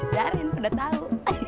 jarin udah tahu